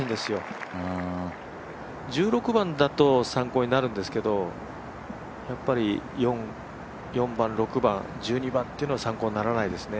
１６番だと参考になるんですけど、４番、６番、１２番というのは参考にならないですね。